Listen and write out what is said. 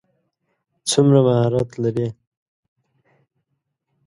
څومره مهارت لري.